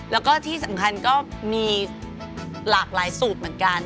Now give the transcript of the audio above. แล้วก็ที่สำคัญก็มีหลากหลายสูตรเหมือนกัน